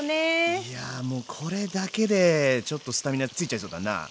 いやもうこれだけでちょっとスタミナついちゃいそうだな。